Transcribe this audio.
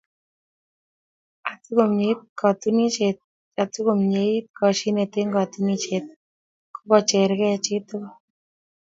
asikomieit koshinet eng katunisiet ko kochergei chitugul